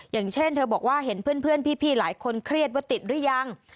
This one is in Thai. อย่างเช่นเธอบอกว่าเห็นเพื่อนพี่หลายคนเครียดว่าติดหรือยัง